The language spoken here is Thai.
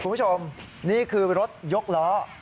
คุณผู้ชมนี่คือรถยกล้อ